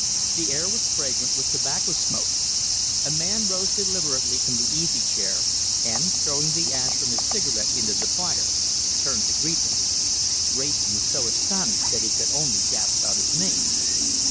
The air was fragrant with tobacco smoke; a man rose deliberately from the easy chair, and, throwing the ash from his cigarette into the fire, turned to greet him. Wrayson was so astonished that he could only gasp out his name.